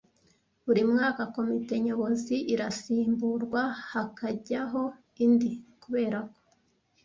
Buri mwaka Komite Nyobozi irasimburwa hakajyaho indi kubera ko